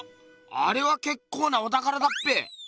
あれはけっこうなおたからだっぺ。